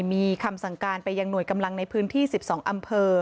มีคำสั่งการไปยังหน่วยกำลังในพื้นที่๑๒อำเภอ